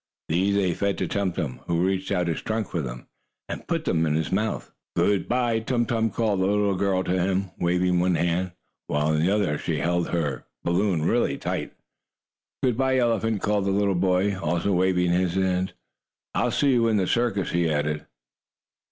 These they fed to Tum Tum, who reached out his trunk for them, and put them into his mouth. "Good by, Tum Tum!" called the little girl to him, waving one hand, while in the other she held her balloon. "Good by, elephant!" called the little boy, also waving his hand. "I'll see you in the circus," he added.